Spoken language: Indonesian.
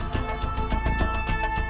kau gak sudah tahu